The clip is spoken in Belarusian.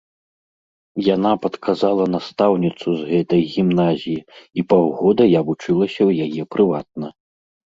Яна падказала настаўніцу з гэтай гімназіі, і паўгода я вучылася ў яе прыватна.